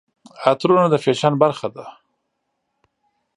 عطرونه د فیشن برخه ده.